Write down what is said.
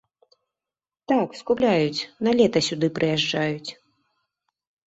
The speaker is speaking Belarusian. Так, скупляюць, на лета сюды прыязджаюць.